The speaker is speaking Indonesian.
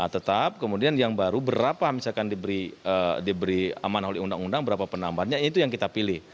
tetap kemudian yang baru berapa misalkan diberi amanah oleh undang undang berapa penambahannya itu yang kita pilih